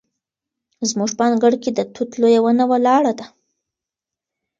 زموږ په انګړ کې د توت لویه ونه ولاړه ده.